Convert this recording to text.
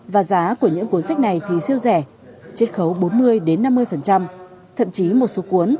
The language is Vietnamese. và giá của những cuốn sách này thì siêu rẻ chết khấu bốn mươi năm mươi thậm chí một số cuốn